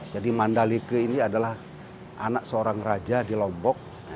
jadi mandalika ini adalah anak seorang raja di lombok